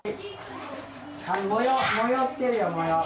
模様つけるよ、模様。